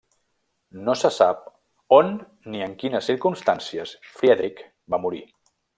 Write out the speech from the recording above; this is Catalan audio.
No se sap on ni en quines circumstàncies Friedrich va morir.